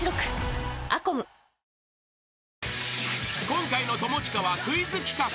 ［今回の友近はクイズ企画］